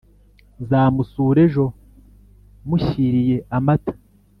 nzamusura ejo mushyiriye amata